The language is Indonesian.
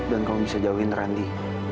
kamu bisa jauhin randi